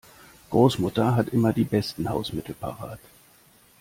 Großmutter hat immer die besten Hausmittel parat.